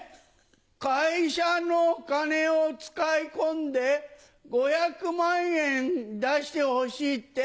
会社のお金を使い込んで５００万円出してほしいって。